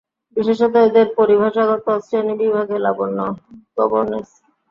বিশেষত এদের পরিভাষাগত শ্রেণীবিভাগে লাবণ্য গবর্নেস।